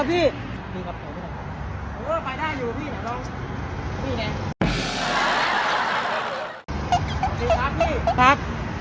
พี่พักพี่พัก